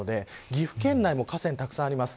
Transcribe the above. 岐阜県内も河川がたくさんあります。